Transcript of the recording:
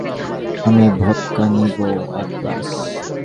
আমি ভদকা নিবো এক গ্লাস।